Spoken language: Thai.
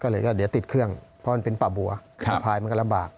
ก็เลยก็เดี๋ยวติดเครื่องเพราะมันเป็นป่าบัวพายมันก็ลำบาก